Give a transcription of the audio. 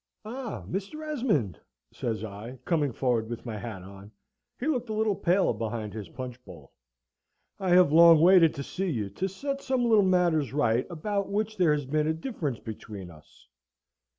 "Ah! Mr. Esmond," says I, coming forward with my hat on. (He looked a little pale behind his punch bowl.) "I have long wanted to see you, to set some little matters right about which there has been a difference between us."